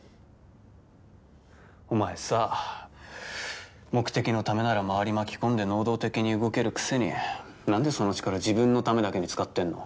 お前さ目的のためなら周り巻き込んで能動的に動けるくせになんでその力自分のためだけに使ってんの？